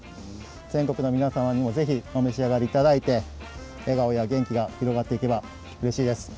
全国の皆様にもぜひお召し上がりいただいて笑顔や元気が広がっていけばうれしいです。